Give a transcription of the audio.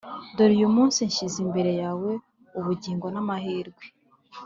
dore uyu munsi nshyize imbere yawe ubugingo n’amahirwe